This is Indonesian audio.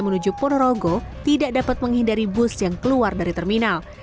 menuju ponorogo tidak dapat menghindari bus yang keluar dari terminal